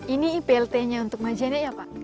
ini iplt nya untuk majene ya pak